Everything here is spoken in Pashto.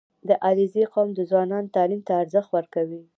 • د علیزي قوم ځوانان تعلیم ته ارزښت ورکوي.